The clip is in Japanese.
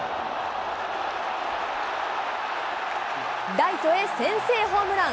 ライト先制ホームラン。